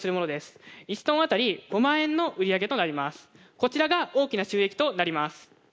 こちらが大きな収益となります。